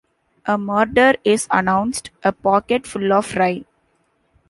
"A Murder Is Announced", "A Pocket Full of Rye".